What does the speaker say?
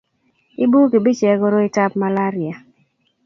ibuu kibichek koroitab malaria